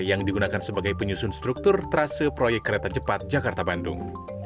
yang digunakan sebagai penyusun struktur trase proyek kereta cepat jakarta bandung